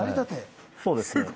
そうです。